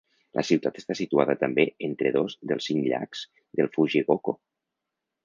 La ciutat està situada també entre dos dels cinc llacs del Fujigoko.